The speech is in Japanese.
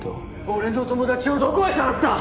俺の友達をどこへさらった！？